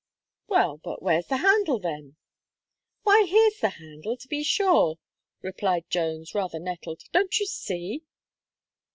"Well, but where's the handle, then?" "Why, here's the handle, to be sure," replied Jones, rather nettled, "don't you see?"